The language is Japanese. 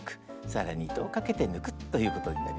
更に糸をかけて抜くということになります。